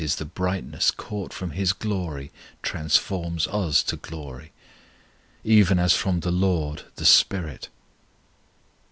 _ the brightness caught from His glory transforms us to glory], even as from the Lord the SPIRIT."